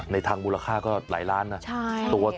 ในทางมูลค่าก็หลายล้านนะตัวหนึ่ง